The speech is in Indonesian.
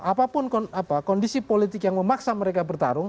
apapun kondisi politik yang memaksa mereka bertarung